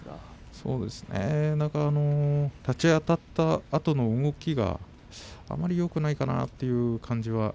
そうですね、立ち合いあたったあとの動きがあまりよくないかなという感じが。